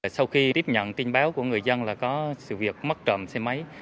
sau khi tiếp nhận tin báo của người dân là có sự việc mất trộm xe máy